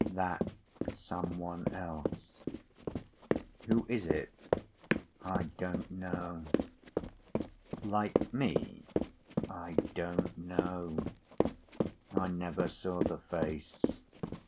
That some one else." "Who is it?" "I don't know." "Like me?" "I don't know. I never saw the face.